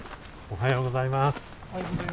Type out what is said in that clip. おはようございます。